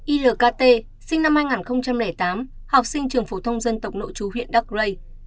ilkt sinh năm hai nghìn tám học sinh trường phổ thông dân tộc nộ trú huyện đắc lây